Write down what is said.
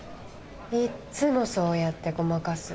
いっつもそうやってごまかす。